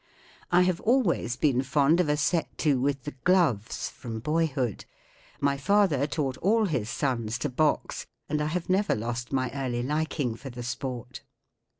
I have always been fond of a set to with the gloves from boyhood* My father taught all his sons to box, and I have never lost my early liking for the sp^rt.